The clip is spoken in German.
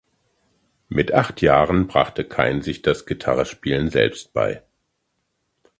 Mit acht Jahren brachte Cain sich das Gitarrespielen selbst bei.